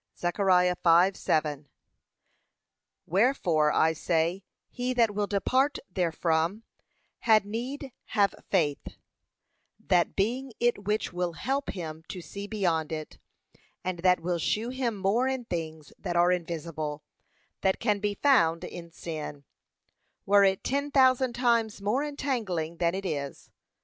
(Zech. 5:7) Wherefore, I say, he that will depart therefrom had need have faith, that being it which will help him to see beyond it, and that will shew him more in things that are invisible, that can be found in sin, were it ten thousand times more entangling than it is.